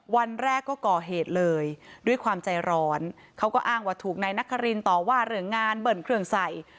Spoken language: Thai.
วันแรกก็ก่อเหตุเลยด้วยความใจร้อนเขาก็อ้างว่าถูกนายนครินต่อว่าเรื่องงานเบิ้ลเครื่องใส่